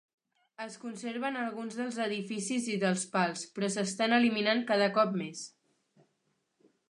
Es conserven alguns dels edificis i dels pals, però s'estan eliminant cada cop més.